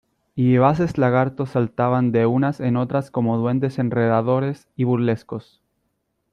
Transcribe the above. y vivaces lagartos saltaban de unas en otras como duendes enredadores y burlescos.